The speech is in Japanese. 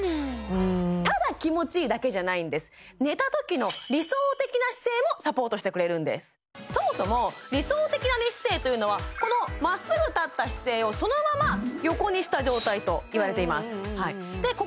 ただ気持ちいいだけじゃないんです寝たときの理想的な姿勢もサポートしてくれるんですそもそも理想的な寝姿勢というのはこのまっすぐ立った姿勢をそのまま横にした状態と言われていますで